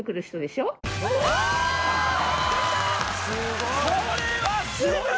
すごい！